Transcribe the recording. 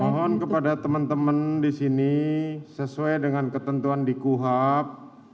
mohon kepada teman teman di sini sesuai dengan ketentuan di kuhap